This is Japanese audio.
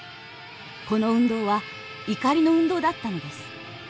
この運動は怒りの運動だったのです。